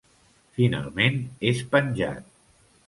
Finalment és penjat.